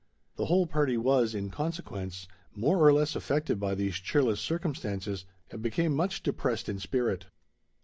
The whole party was, in consequence, more or less affected by these cheerless circumstances, and became much depressed in spirit.